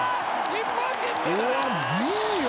日本銀メダル！